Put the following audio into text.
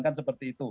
kan seperti itu